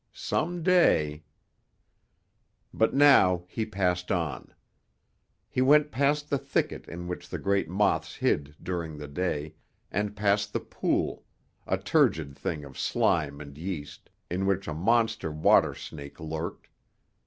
Some day But now he passed on. He went past the thicket in which the great moths hid during the day, and past the pool a turgid thing of slime and yeast in which a monster water snake lurked.